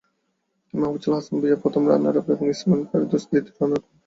মাহফুজুল হাসান ভূঁইয়া প্রথম রানারআপ এবং ইসমাঈল ফেরদৌস দ্বিতীয় রানারআপ হন।